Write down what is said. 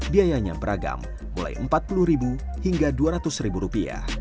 biayanya beragam mulai rp empat puluh hingga rp dua ratus